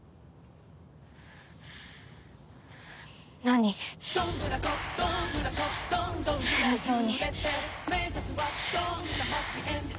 何偉そうに。